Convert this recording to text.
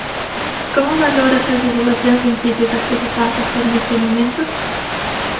Como valoras as divulgación científica que se está a facer neste momento?